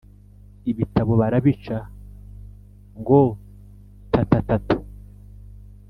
ibitabo barabica ngo tatatata